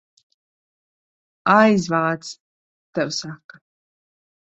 Aizvāc, tev saka!